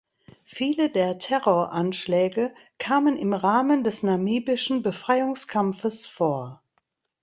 Viele der Terroranschläge kamen im Rahmen des namibischen Befreiungskampfes vor.